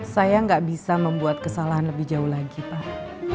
saya nggak bisa membuat kesalahan lebih jauh lagi pak